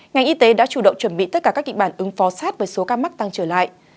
ngành y tế đã chủ động chuẩn bị tất cả các kịch bản ứng phó sát với số ca mắc tăng trở lại